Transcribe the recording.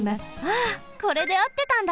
あこれであってたんだ！